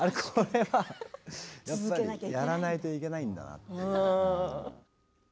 これはやっぱりやらないといけないんだなって。